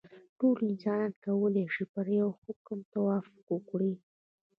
ټول انسانان کولای شي پر یوه حکم توافق وکړي.